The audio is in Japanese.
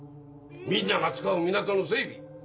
みんなが使う港の整備